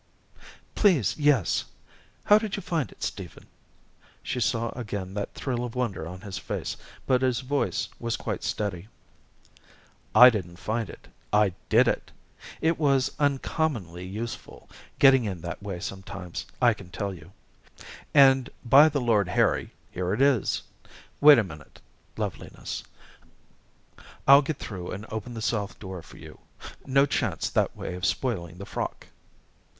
"Please, yes. How did you find it, Stephen?" She saw again that thrill of wonder on his face, but his voice was quite steady. "I didn't find it; I did it! It was uncommonly useful, getting in that way sometimes, I can tell you. And, by the Lord Harry, here it is. Wait a minute, Loveliness I'll get through and open the south door for you no chance that way of spoiling the frock."